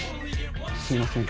すいません。